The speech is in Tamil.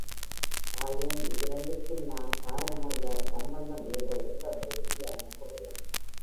ஆயினும் இவ்விரண்டிற்கும் நான் காரணமறியாத சம்பந்தம் ஏதோ உண்டென்று உறுதியாய் நம்புகிறேன்.